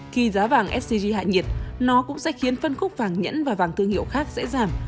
khi giá vàng scg hạ nhiệt nó cũng sẽ khiến phân khúc vàng nhẫn và vàng thương hiệu khác sẽ giảm